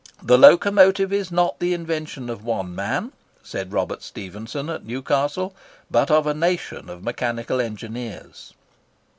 "The locomotive is not the invention of one man," said Robert Stephenson at Newcastle, "but of a nation of mechanical engineers."